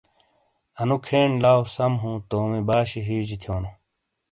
انو کھین لاؤ سَم ہُوں تومی باش ہیجے تھیونو۔